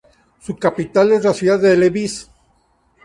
Su capital es la ciudad de Levice.